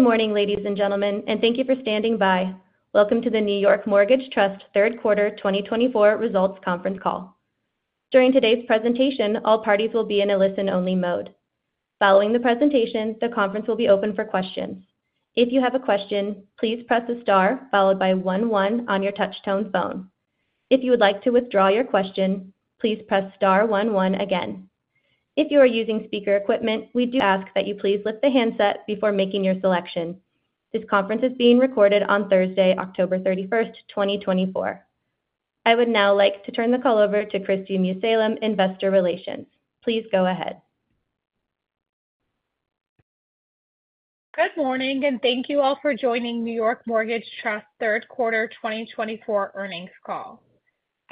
Good morning, ladies and gentlemen, and thank you for standing by. Welcome to the New York Mortgage Trust Third Quarter 2024 Results Conference Call. During today's presentation, all parties will be in a listen-only mode. Following the presentation, the conference will be open for questions. If you have a question, please press the star followed by one one on your touch-tone phone. If you would like to withdraw your question, please press star one one again. If you are using speaker equipment, we do ask that you please lift the handset before making your selection. This conference is being recorded on Thursday, October 31st, 2024. I would now like to turn the call over to Kristi Mussallem, Investor Relations. Please go ahead. Good morning, and thank you all for joining New York Mortgage Trust Third Quarter 2024 Earnings Call.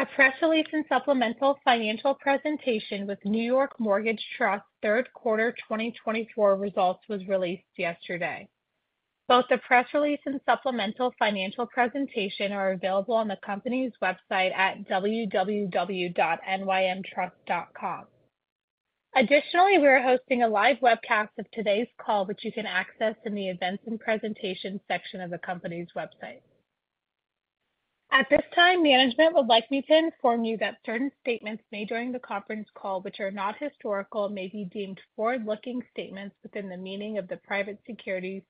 A press release and supplemental financial presentation with New York Mortgage Trust Third Quarter 2024 Results was released yesterday. Both the press release and supplemental financial presentation are available on the company's website at www.nymtrust.com. Additionally, we are hosting a live webcast of today's call, which you can access in the events and presentation section of the company's website. At this time, management would like me to inform you that certain statements made during the conference call, which are not historical, may be deemed forward-looking statements within the meaning of the Private Securities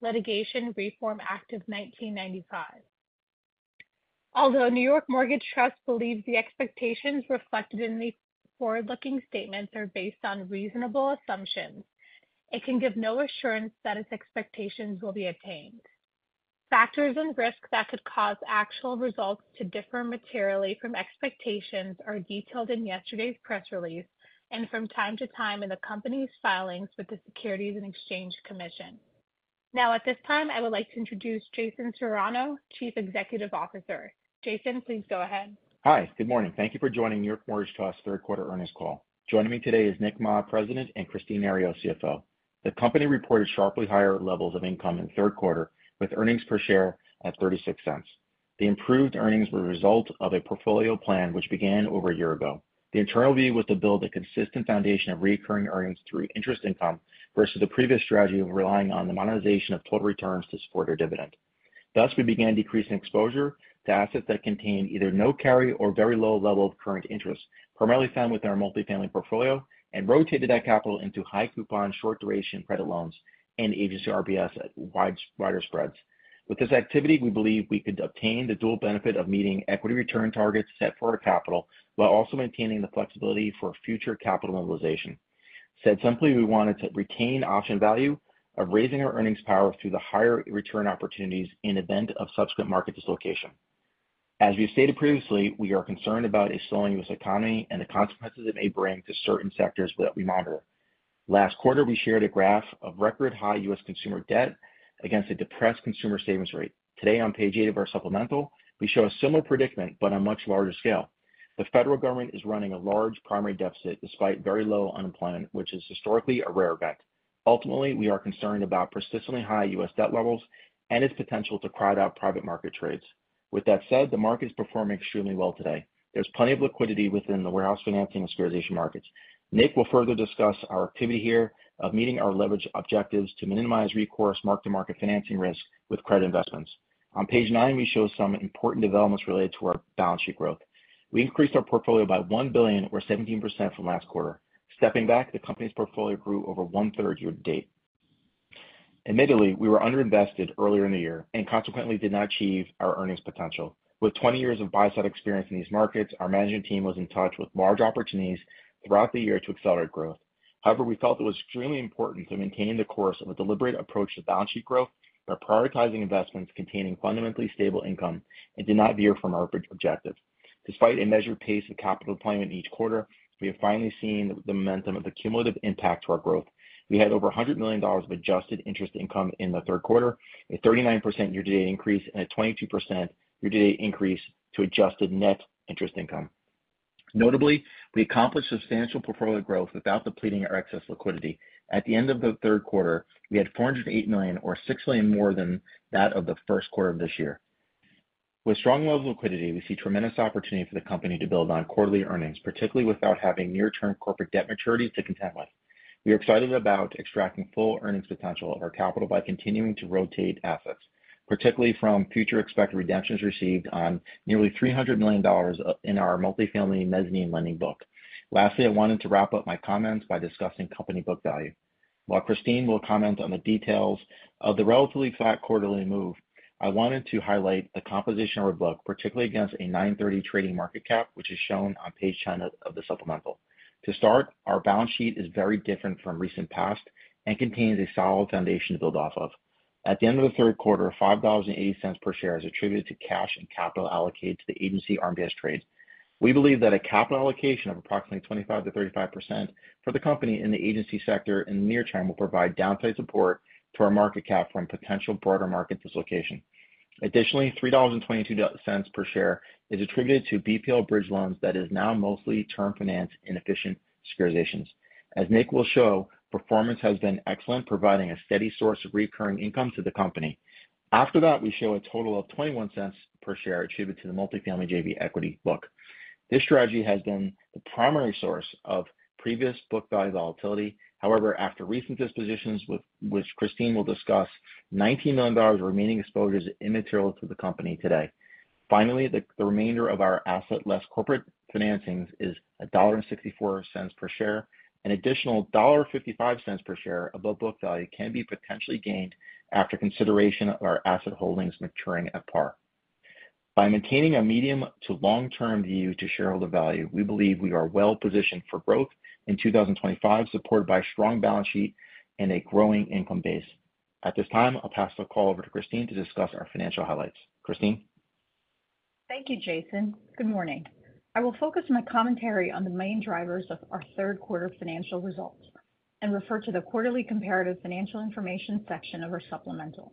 Litigation Reform Act of 1995. Although New York Mortgage Trust believes the expectations reflected in these forward-looking statements are based on reasonable assumptions, it can give no assurance that its expectations will be attained. Factors and risks that could cause actual results to differ materially from expectations are detailed in yesterday's press release and from time to time in the company's filings with the Securities and Exchange Commission. Now, at this time, I would like to introduce Jason Serrano, Chief Executive Officer. Jason, please go ahead. Hi, good morning. Thank you for joining New York Mortgage Trust Third Quarter Earnings Call. Joining me today is Nick Ma, President, and Kristine Nario-Eng, CFO. The company reported sharply higher levels of income in the third quarter, with earnings per share at $0.36. The improved earnings were a result of a portfolio plan, which began over a year ago. The internal view was to build a consistent foundation of recurring earnings through interest income versus the previous strategy of relying on the monetization of total returns to support a dividend. Thus, we began decreasing exposure to assets that contained either no carry or very low level of current interest, primarily found within our multifamily portfolio, and rotated that capital into high-coupon, short-duration credit loans and Agency RMBS at wider spreads. With this activity, we believe we could obtain the dual benefit of meeting equity return targets set for our capital while also maintaining the flexibility for future capital mobilization. Said simply, we wanted to retain option value of raising our earnings power through the higher return opportunities in the event of subsequent market dislocation. As we stated previously, we are concerned about a slowing U.S. economy and the consequences it may bring to certain sectors that we monitor. Last quarter, we shared a graph of record high U.S. consumer debt against a depressed consumer savings rate. Today, on page eight of our supplemental, we show a similar predicament, but on a much larger scale. The federal government is running a large primary deficit despite very low unemployment, which is historically a rare event. Ultimately, we are concerned about persistently high U.S. Debt levels and its potential to crowd out private market trades. With that said, the market is performing extremely well today. There's plenty of liquidity within the warehouse financing and securitization markets. Nick will further discuss our activity here of meeting our leverage objectives to minimize recourse mark-to-market financing risk with credit investments. On page nine, we show some important developments related to our balance sheet growth. We increased our portfolio by $1 billion, or 17%, from last quarter. Stepping back, the company's portfolio grew over one-third year to date. Admittedly, we were underinvested earlier in the year and consequently did not achieve our earnings potential. With 20 years of buy-side experience in these markets, our management team was in touch with large opportunities throughout the year to accelerate growth. However, we felt it was extremely important to maintain the course of a deliberate approach to balance sheet growth by prioritizing investments containing fundamentally stable income and did not veer from our objective. Despite a measured pace of capital deployment each quarter, we have finally seen the momentum of the cumulative impact to our growth. We had over $100 million of adjusted interest income in the third quarter, a 39% year-to-date increase, and a 22% year-to-date increase to adjusted net interest income. Notably, we accomplished substantial portfolio growth without depleting our excess liquidity. At the end of the third quarter, we had $408 million, or $6 million more than that of the first quarter of this year. With strong levels of liquidity, we see tremendous opportunity for the company to build on quarterly earnings, particularly without having near-term corporate debt maturities to contend with. We are excited about extracting full earnings potential of our capital by continuing to rotate assets, particularly from future expected redemptions received on nearly $300 million in our multifamily mezzanine lending book. Lastly, I wanted to wrap up my comments by discussing company book value. While Kristine will comment on the details of the relatively flat quarterly move, I wanted to highlight the composition of our book, particularly against a 9/30 trading market cap, which is shown on page 10 of the supplemental. To start, our balance sheet is very different from recent past and contains a solid foundation to build off of. At the end of the third quarter, $5.80 per share is attributed to cash and capital allocated to the agency RMBS trades. We believe that a capital allocation of approximately 25%-35% for the company in the Agency sector in the near term will provide downside support to our market cap from potential broader market dislocation. Additionally, $3.22 per share is attributed to BPL bridge loans that is now mostly term finance in efficient securitizations. As Nick will show, performance has been excellent, providing a steady source of recurring income to the company. After that, we show a total of $0.21 per share attributed to the multifamily JV equity book. This strategy has been the primary source of previous book value volatility. However, after recent dispositions, which Kristine will discuss, $19 million remaining exposure is immaterial to the company today. Finally, the remainder of our asset-less corporate financings is $1.64 per share. An additional $1.55 per share above book value can be potentially gained after consideration of our asset holdings maturing at par. By maintaining a medium to long-term view to shareholder value, we believe we are well positioned for growth in 2025, supported by a strong balance sheet and a growing income base. At this time, I'll pass the call over to Kristine to discuss our financial highlights. Kristine. Thank you, Jason. Good morning. I will focus my commentary on the main drivers of our third quarter financial results and refer to the quarterly comparative financial information section of our supplemental.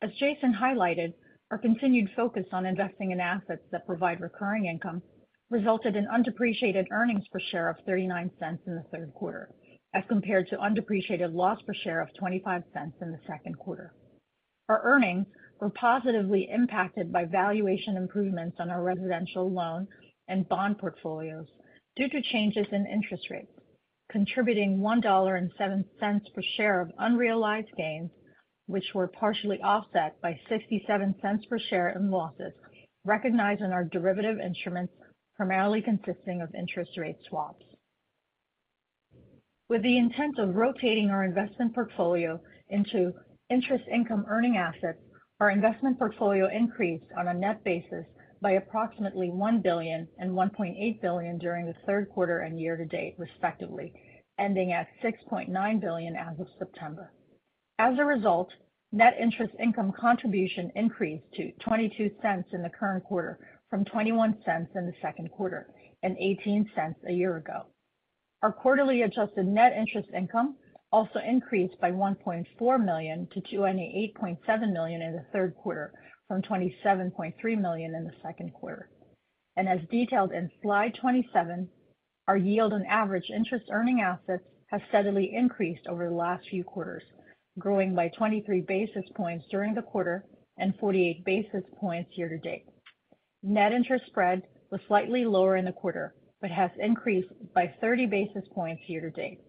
As Jason highlighted, our continued focus on investing in assets that provide recurring income resulted in undepreciated earnings per share of $0.39 in the third quarter, as compared to undepreciated loss per share of $0.25 in the second quarter. Our earnings were positively impacted by valuation improvements on our residential loan and bond portfolios due to changes in interest rates, contributing $1.07 per share of unrealized gains, which were partially offset by $0.67 per share in losses recognized in our derivative instruments, primarily consisting of interest rate swaps. With the intent of rotating our investment portfolio into interest income earning assets, our investment portfolio increased on a net basis by approximately $1 billion and $1.8 billion during the third quarter and year-to-date, respectively, ending at $6.9 billion as of September. As a result, net interest income contribution increased to $0.22 in the current quarter from $0.21 in the second quarter and $0.18 a year ago. Our quarterly adjusted net interest income also increased by $1.4 million to $288.7 million in the third quarter from $27.3 million in the second quarter, and as detailed in slide 27, our yield on average interest earning assets has steadily increased over the last few quarters, growing by 23 basis points during the quarter and 48 basis points year-to-date. Net interest spread was slightly lower in the quarter, but has increased by 30 basis points year-to-date.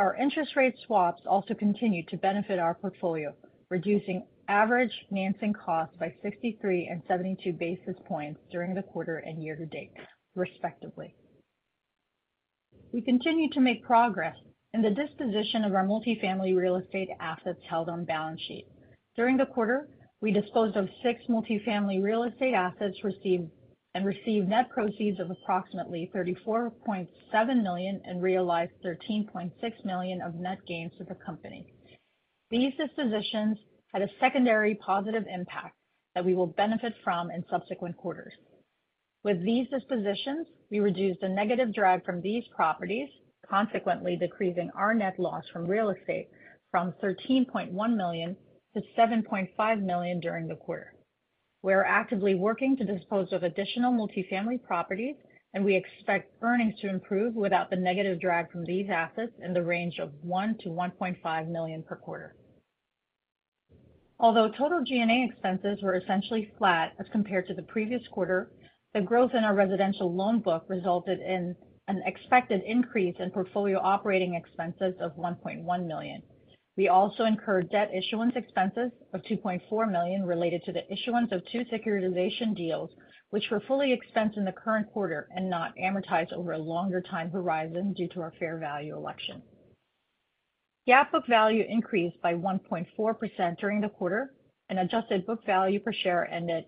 Our interest rate swaps also continued to benefit our portfolio, reducing average financing costs by 63 and 72 basis points during the quarter and year-to-date, respectively. We continue to make progress in the disposition of our multifamily real estate assets held on balance sheet. During the quarter, we disposed of six multifamily real estate assets and received net proceeds of approximately $34.7 million and realized $13.6 million of net gains to the company. These dispositions had a secondary positive impact that we will benefit from in subsequent quarters. With these dispositions, we reduced a negative drag from these properties, consequently decreasing our net loss from real estate from $13.1-$7.5 million during the quarter. We are actively working to dispose of additional multifamily properties, and we expect earnings to improve without the negative drag from these assets in the range of $1-$1.5 million per quarter. Although total G&A expenses were essentially flat as compared to the previous quarter, the growth in our residential loan book resulted in an expected increase in portfolio operating expenses of $1.1 million. We also incurred debt issuance expenses of $2.4 million related to the issuance of two securitization deals, which were fully expensed in the current quarter and not amortized over a longer time horizon due to our fair value election. GAAP book value increased by 1.4% during the quarter, and adjusted book value per share ended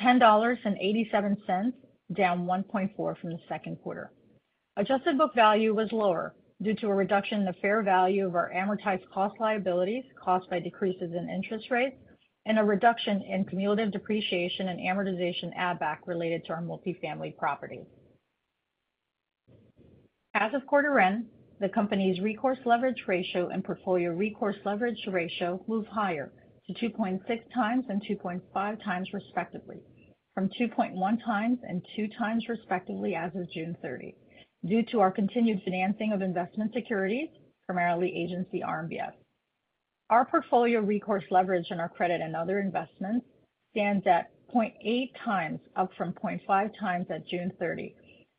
$10.87, down 1.4% from the second quarter. Adjusted book value was lower due to a reduction in the fair value of our amortized cost liabilities caused by decreases in interest rates and a reduction in cumulative depreciation and amortization add-back related to our multifamily property. As of quarter end, the company's recourse leverage ratio and portfolio recourse leverage ratio moved higher to 2.6 times and 2.5 times, respectively, from 2.1 times and 2 times, respectively, as of June 30, due to our continued financing of investment securities, primarily Agency RMBS. Our portfolio recourse leverage on our credit and other investments stands at 0.8 times, up from 0.5 times at June 30,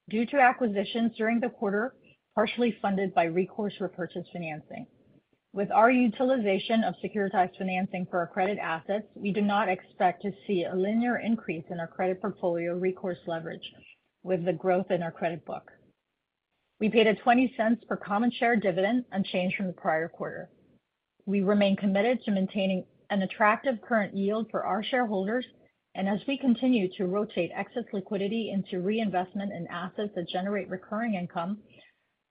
due to acquisitions during the quarter partially funded by recourse repurchase financing. With our utilization of securitized financing for our credit assets, we do not expect to see a linear increase in our credit portfolio recourse leverage with the growth in our credit book. We paid a $0.20 per common share dividend unchanged from the prior quarter. We remain committed to maintaining an attractive current yield for our shareholders, and as we continue to rotate excess liquidity into reinvestment in assets that generate recurring income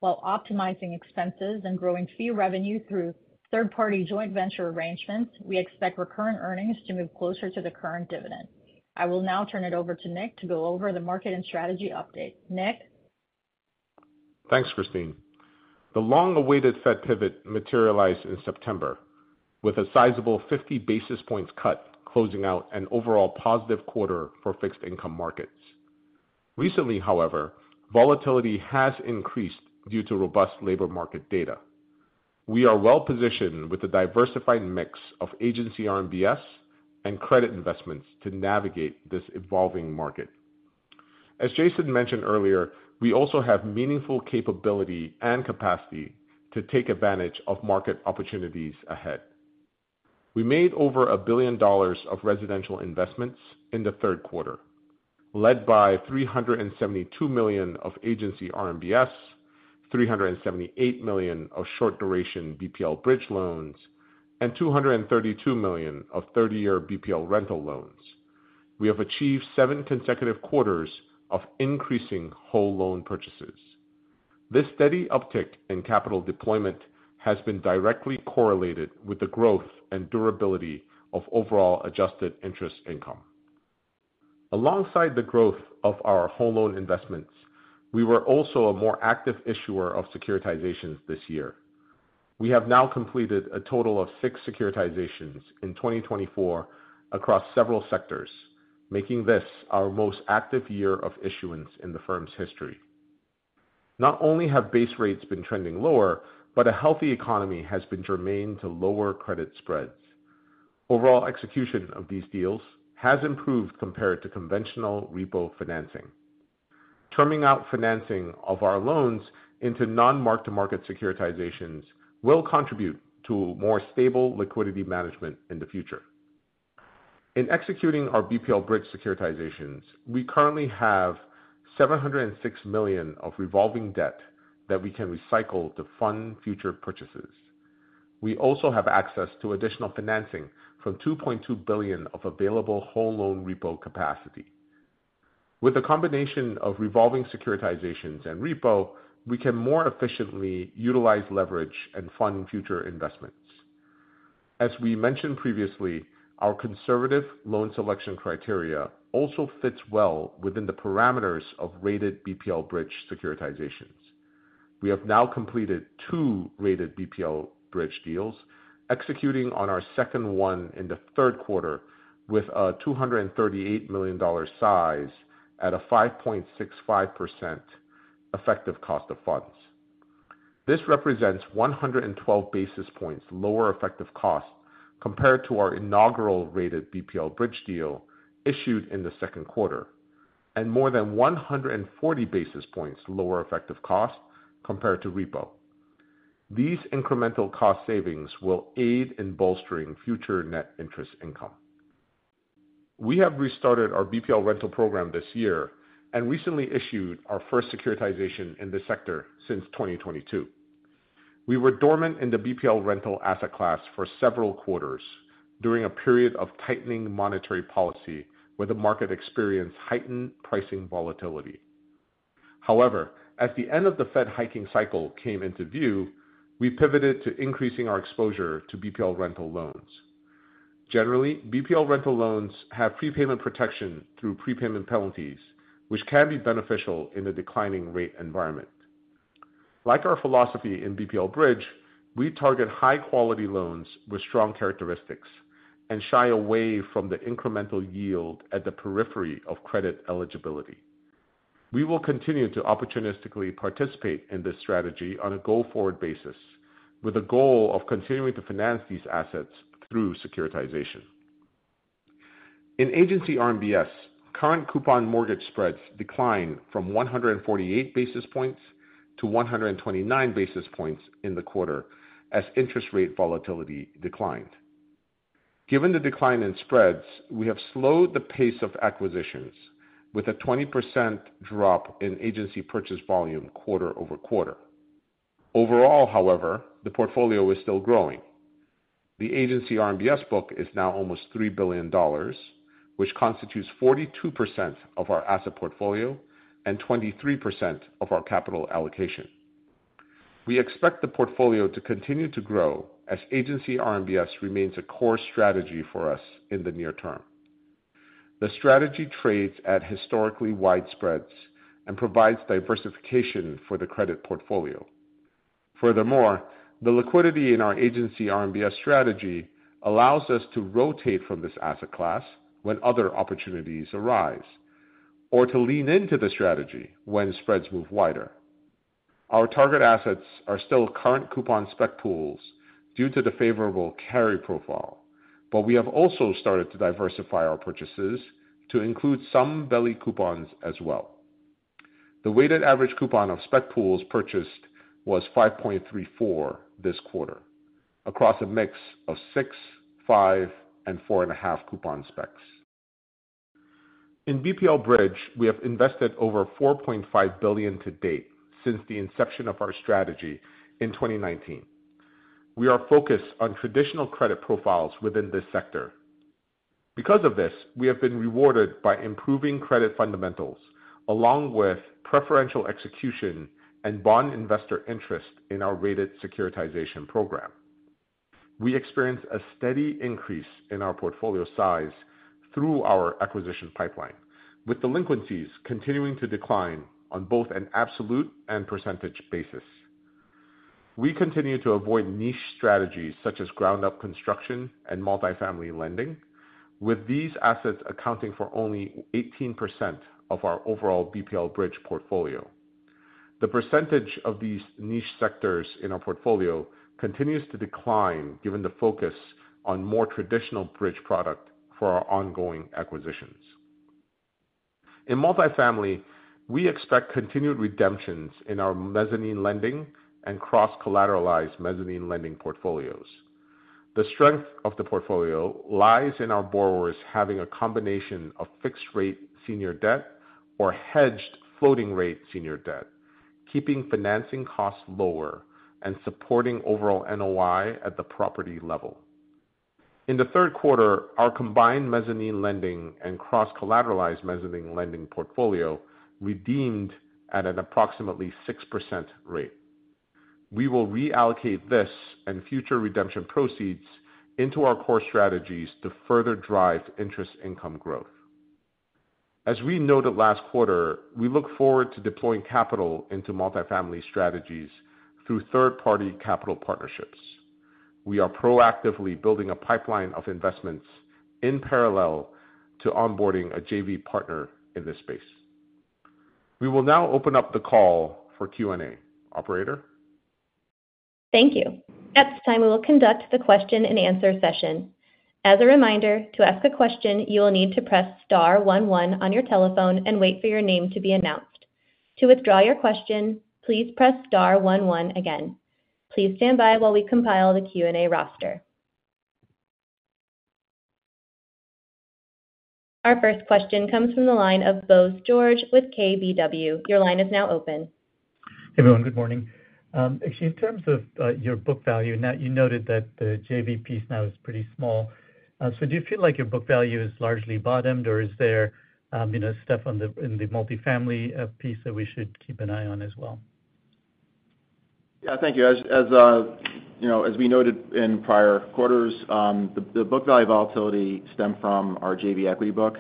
while optimizing expenses and growing fee revenue through third-party joint venture arrangements, we expect recurrent earnings to move closer to the current dividend. I will now turn it over to Nick to go over the market and strategy update. Nick. Thanks, Kristine. The long-awaited Fed pivot materialized in September, with a sizable 50 basis points cut closing out an overall positive quarter for fixed income markets. Recently, however, volatility has increased due to robust labor market data. We are well positioned with a diversified mix of agency RMBS and credit investments to navigate this evolving market. As Jason mentioned earlier, we also have meaningful capability and capacity to take advantage of market opportunities ahead. We made over $1 billion of residential investments in the third quarter, led by $372 million of agency RMBS, $378 million of short-duration BPL bridge loans, and $232 million of 30-year BPL rental loans. We have achieved seven consecutive quarters of increasing whole loan purchases. This steady uptick in capital deployment has been directly correlated with the growth and durability of overall adjusted interest income. Alongside the growth of our whole loan investments, we were also a more active issuer of securitizations this year. We have now completed a total of six securitizations in 2024 across several sectors, making this our most active year of issuance in the firm's history. Not only have base rates been trending lower, but a healthy economy has been germane to lower credit spreads. Overall execution of these deals has improved compared to conventional repo financing. Terming out financing of our loans into non-mark-to-market securitizations will contribute to more stable liquidity management in the future. In executing our BPL bridge securitizations, we currently have $706 million of revolving debt that we can recycle to fund future purchases. We also have access to additional financing from $2.2 billion of available whole loan repo capacity. With the combination of revolving securitizations and repo, we can more efficiently utilize leverage and fund future investments. As we mentioned previously, our conservative loan selection criteria also fits well within the parameters of rated BPL bridge securitizations. We have now completed two rated BPL bridge deals, executing on our second one in the third quarter with a $238 million size at a 5.65% effective cost of funds. This represents 112 basis points lower effective cost compared to our inaugural rated BPL bridge deal issued in the second quarter and more than 140 basis points lower effective cost compared to repo. These incremental cost savings will aid in bolstering future net interest income. We have restarted our BPL rental program this year and recently issued our first securitization in the sector since 2022. We were dormant in the BPL rental asset class for several quarters during a period of tightening monetary policy where the market experienced heightened pricing volatility. However, as the end of the Fed hiking cycle came into view, we pivoted to increasing our exposure to BPL rental loans. Generally, BPL rental loans have prepayment protection through prepayment penalties, which can be beneficial in a declining rate environment. Like our philosophy in BPL bridge, we target high-quality loans with strong characteristics and shy away from the incremental yield at the periphery of credit eligibility. We will continue to opportunistically participate in this strategy on a go-forward basis, with a goal of continuing to finance these assets through securitization. In Agency RMBS, current coupon mortgage spreads declined from 148 basis points to 129 basis points in the quarter as interest rate volatility declined. Given the decline in spreads, we have slowed the pace of acquisitions with a 20% drop in Agency purchase volume quarter over quarter. Overall, however, the portfolio is still growing. The agency RMBS book is now almost $3 billion, which constitutes 42% of our asset portfolio and 23% of our capital allocation. We expect the portfolio to continue to grow as Agency RMBS remains a core strategy for us in the near term. The strategy trades at historically wide spreads and provides diversification for the credit portfolio. Furthermore, the liquidity in our Agency RMBS strategy allows us to rotate from this asset class when other opportunities arise or to lean into the strategy when spreads move wider. Our target assets are still current coupon spec pools due to the favorable carry profile, but we have also started to diversify our purchases to include some belly coupons as well. The weighted average coupon of spec pools purchased was 5.34 this quarter across a mix of six, five, and four and a half coupon specs. In BPL bridge, we have invested over $4.5 billion to date since the inception of our strategy in 2019. We are focused on traditional credit profiles within this sector. Because of this, we have been rewarded by improving credit fundamentals along with preferential execution and bond investor interest in our rated securitization program. We experience a steady increase in our portfolio size through our acquisition pipeline, with delinquencies continuing to decline on both an absolute and percentage basis. We continue to avoid niche strategies such as ground-up construction and multifamily lending, with these assets accounting for only 18% of our overall BPL bridge portfolio. The percentage of these niche sectors in our portfolio continues to decline given the focus on more traditional bridge product for our ongoing acquisitions. In multifamily, we expect continued redemptions in our mezzanine lending and cross-collateralized mezzanine lending portfolios. The strength of the portfolio lies in our borrowers having a combination of fixed-rate senior debt or hedged floating-rate senior debt, keeping financing costs lower and supporting overall NOI at the property level. In the third quarter, our combined mezzanine lending and cross-collateralized mezzanine lending portfolio redeemed at an approximately 6% rate. We will reallocate this and future redemption proceeds into our core strategies to further drive interest income growth. As we noted last quarter, we look forward to deploying capital into multifamily strategies through third-party capital partnerships. We are proactively building a pipeline of investments in parallel to onboarding a JV partner in this space. We will now open up the call for Q&A. Operator? Thank you. At this time, we will conduct the question and answer session. As a reminder, to ask a question, you will need to press star one one on your telephone and wait for your name to be announced. To withdraw your question, please press star one one again. Please stand by while we compile the Q&A roster. Our first question comes from the line of Bose George with KBW. Your line is now open. Hey, everyone. Good morning. Actually, in terms of your book value, now you noted that the JV piece now is pretty small. So do you feel like your book value is largely bottomed, or is there stuff in the multifamily piece that we should keep an eye on as well? Yeah, thank you. As we noted in prior quarters, the book value volatility stemmed from our JV equity book.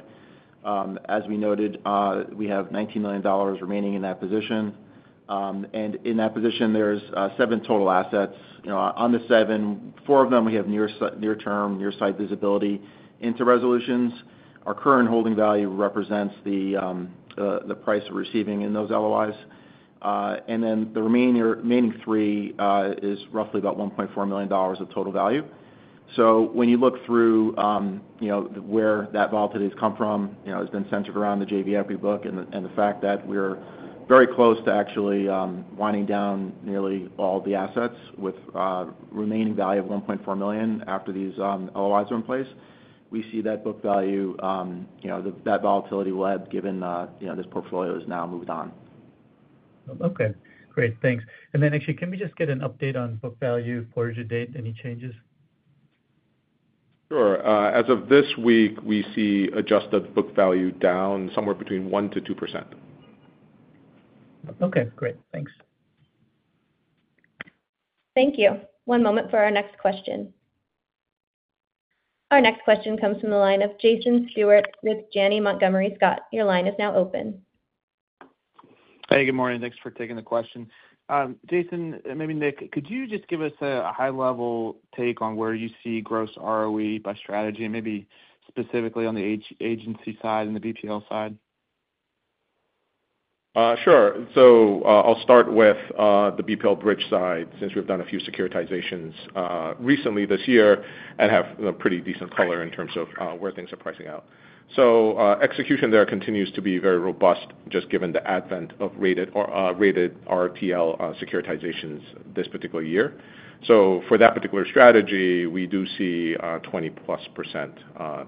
As we noted, we have $19 million remaining in that position. And in that position, there's seven total assets. On the seven, four of them we have near-term, line-of-sight visibility into resolutions. Our current holding value represents the price we're receiving in those LOIs. And then the remaining three is roughly about $1.4 million of total value. So when you look through where that volatility has come from, it's been centered around the JV equity book and the fact that we're very close to actually winding down nearly all the assets with remaining value of $1.4 million after these LOIs are in place. We see that book value, that volatility we've, given this portfolio has now moved on. Okay. Great. Thanks. And then, actually, can we just get an update on book value as of date, any changes? Sure. As of this week, we see Adjusted Book Value down somewhere between 1%-2%. Okay. Great. Thanks. Thank you. One moment for our next question. Our next question comes from the line of Jason Stewart with Janney Montgomery Scott. Your line is now open. Hey, good morning. Thanks for taking the question. Jason, maybe Nick, could you just give us a high-level take on where you see gross ROE by strategy, maybe specifically on the agency side and the BPL side? Sure. So I'll start with the BPL bridge side since we've done a few securitizations recently this year and have a pretty decent color in terms of where things are pricing out. So execution there continues to be very robust just given the advent of rated RTL securitizations this particular year. So for that particular strategy, we do see 20-plus%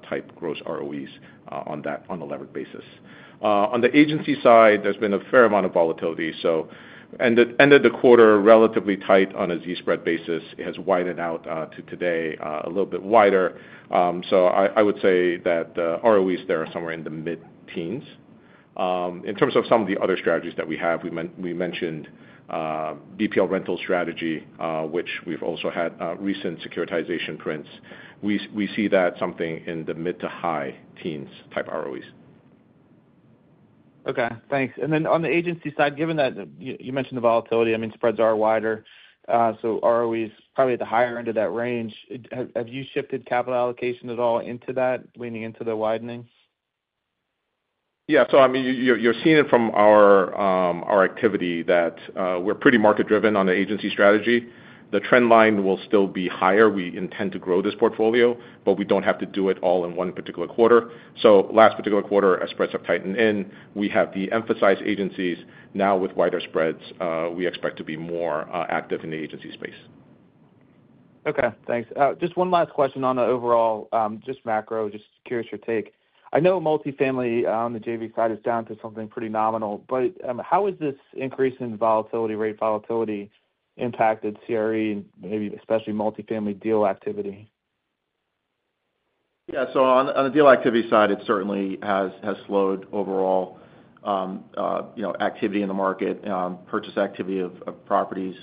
type gross ROEs on that on a levered basis. On the agency side, there's been a fair amount of volatility. So end of the quarter, relatively tight on a Z-spread basis, it has widened out to today a little bit wider. So I would say that the ROEs there are somewhere in the mid-teens. In terms of some of the other strategies that we have, we mentioned BPL rental strategy, which we've also had recent securitization prints. We see that something in the mid to high-teens type ROEs. Okay. Thanks. And then on the agency side, given that you mentioned the volatility, I mean, spreads are wider. So ROEs probably at the higher end of that range. Have you shifted capital allocation at all into that, leaning into the widening? Yeah. So I mean, you're seeing it from our activity that we're pretty market-driven on the Agency strategy. The trend line will still be higher. We intend to grow this portfolio, but we don't have to do it all in one particular quarter. So last particular quarter, as spreads have tightened in, we have de-emphasized Agencies. Now with wider spreads, we expect to be more active in the agency space. Okay. Thanks. Just one last question on the overall, just macro, just curious your take. I know multifamily on the JV side is down to something pretty nominal, but how has this increase in volatility, rate volatility impacted CRE and maybe especially multifamily deal activity? Yeah. So on the deal activity side, it certainly has slowed overall activity in the market, purchase activity of properties.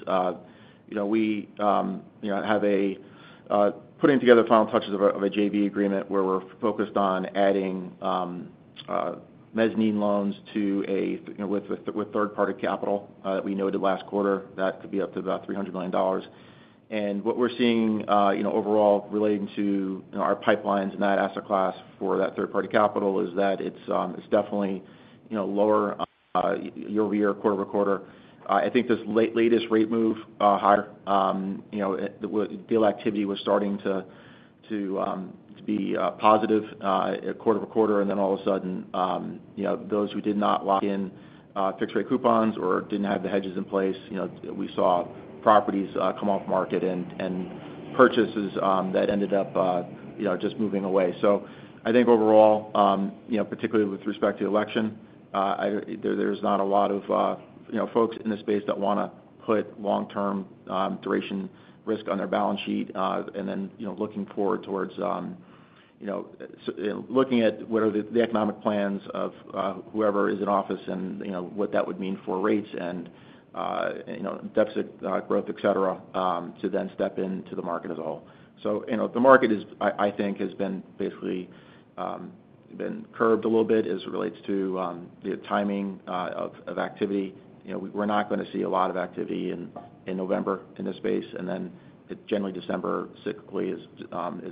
We have a putting together final touches of a JV agreement where we're focused on adding mezzanine loans with third-party capital that we noted last quarter. That could be up to about $300 million. And what we're seeing overall relating to our pipelines in that asset class for that third-party capital is that it's definitely lower year-over-year, quarter-over-quarter. I think this latest rate move higher, the deal activity was starting to be positive quarter-over-quarter. And then all of a sudden, those who did not lock in fixed-rate coupons or didn't have the hedges in place, we saw properties come off market and purchases that ended up just moving away. So I think overall, particularly with respect to election, there's not a lot of folks in the space that want to put long-term duration risk on their balance sheet and then looking forward towards looking at what are the economic plans of whoever is in office and what that would mean for rates and deficit growth, etc., to then step into the market as a whole. So the market, I think, has been basically curbed a little bit as it relates to the timing of activity. We're not going to see a lot of activity in November in this space. And then generally, December cyclically is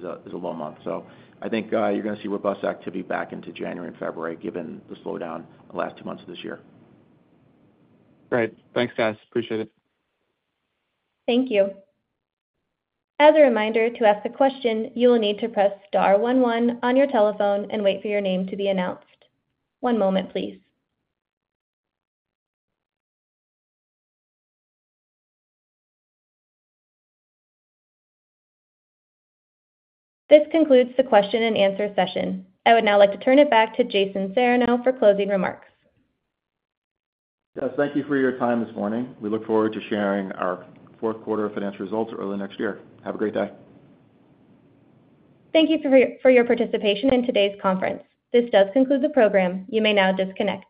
a low month. So I think you're going to see robust activity back into January and February given the slowdown in the last two months of this year. Great. Thanks, guys. Appreciate it. Thank you. As a reminder, to ask a question, you will need to press star one one on your telephone and wait for your name to be announced. One moment, please. This concludes the question and answer session. I would now like to turn it back to Jason Serrano for closing remarks. Thank you for your time this morning. We look forward to sharing our fourth quarter financial results early next year. Have a great day. Thank you for your participation in today's conference. This does conclude the program. You may now disconnect.